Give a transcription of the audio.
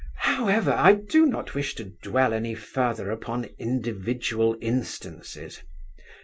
However, I do not wish to dwell any further upon individual instances.